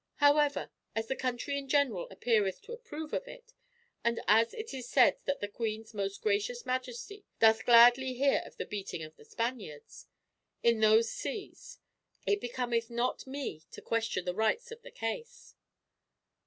However, as the country in general appeareth to approve of it, and as it is said that the queen's most gracious majesty doth gladly hear of the beating of the Spaniards, in those seas, it becometh not me to question the rights of the case."